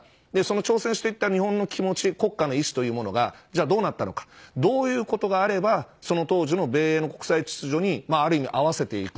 挑戦していった日本の気持ち国家の意思がどうなったのかどういうことがあればその当時の米英の国際秩序に合わせていく。